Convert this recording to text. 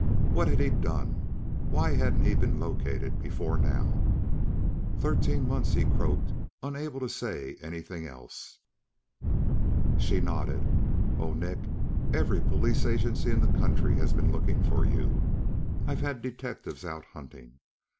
What had he done? Why hadn't he been located before now? "Thirteen months," he croaked, unable to say anything else. She nodded. "Oh, Nick, every police agency in the country has been looking for you. I've had detectives out hunting.